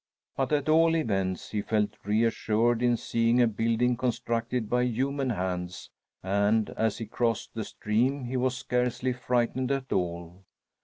But, at all events, he felt reassured in seeing a building constructed by human hands, and, as he crossed the stream, he was scarcely frightened at all.